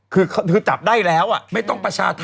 คือจับได้แล้วไม่ต้องประชาธรรม